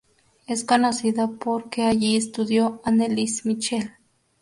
Es conocida por que allí estudió Anneliese Michel.